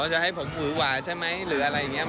จะให้ผมหือหวาใช่ไหมหรืออะไรอย่างนี้